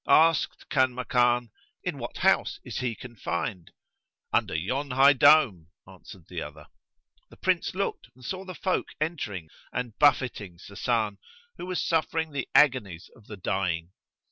Asked Kanmakan, "In what house is he confined?" "Under yon high dome," answered the other. The Prince looked and saw the folk entering and buffeting Sasan, who was suffering the agonies of the dying.